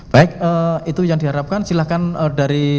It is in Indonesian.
baik itu yang diharapkan silakan dari